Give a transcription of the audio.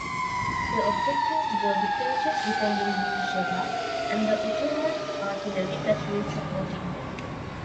Their objectives were the trenches defending Beersheba and the Ottoman artillery batteries supporting them.